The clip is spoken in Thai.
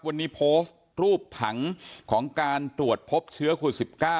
วันนี้โพสต์รูปผังของการตรวจพบเชื้อโควิด๑๙